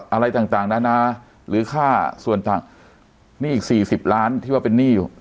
อะไรต่างต่างนะนะหรือค่าส่วนต่างนี่อีกสี่สิบล้านที่ว่าเป็นนี่อยู่